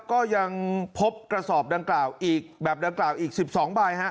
ก็ยังพบกระสอบดังกล่าวอีกแบบดังกล่าวอีก๑๒ใบฮะ